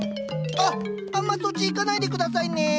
あんまそっち行かないで下さいね。